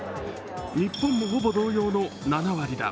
日本も、ほぼ同様の７割だ。